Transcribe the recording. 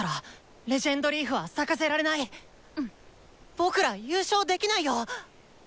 僕ら優勝できないよ！